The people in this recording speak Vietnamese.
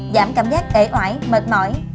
giảm cảm giác ể oải mệt mỏi